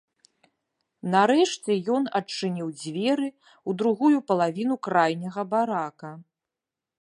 Нарэшце ён адчыніў дзверы ў другую палавіну крайняга барака.